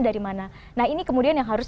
dari mana nah ini kemudian yang harus